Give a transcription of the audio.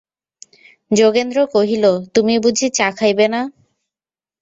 যোগেন্দ্র কহিল, তুমি বুঝি চা খাইবে না?